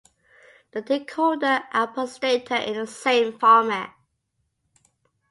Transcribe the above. The decoder outputs data in the same format.